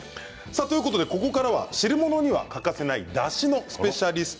ここからは汁物には欠かせないだしのスペシャリスト